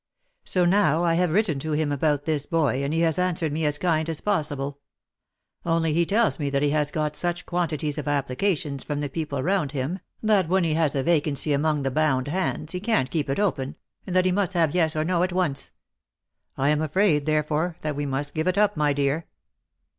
So now, I have written to him about this boy, and he has answered me as kind as possible ; only he tells me that he has got such quantities of applications from the people round him, that when he has a vacancy among the bound hands, he can't keep it open, and that he must have yes or no at once. I am afraid, therefore, that we must give it up, my dear."